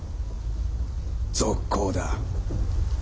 続行だ！